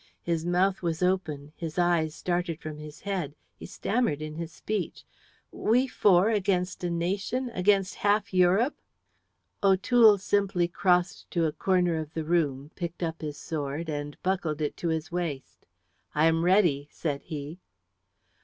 His mouth was open; his eyes started from his head; he stammered in his speech. "We four against a nation, against half Europe!" O'Toole simply crossed to a corner of the room, picked up his sword and buckled it to his waist. "I am ready," said he.